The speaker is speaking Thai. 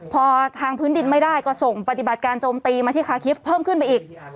พอทางพื้นดินไม่ได้ก็ส่งปฏิบัติการโจมตีมาที่คาคิฟต์เพิ่มขึ้นไปอีก